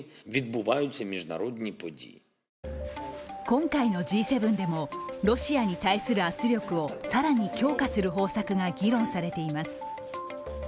今回のＧ７でもロシアに対する圧力を更に強化する方策が議論されています。